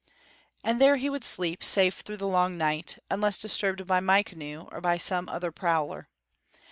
And there he would sleep safe through the long night, unless disturbed by my canoe or by some other prowler.